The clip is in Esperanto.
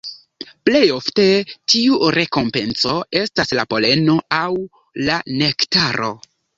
Plej ofte tiu rekompenco estas la poleno aŭ la nektaro.